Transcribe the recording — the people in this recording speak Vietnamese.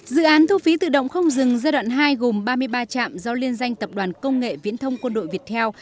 dự án thu phí tự động không dừng giai đoạn hai gồm ba mươi ba trạm do liên danh tập đoàn công nghệ viễn thông quân đội việt theo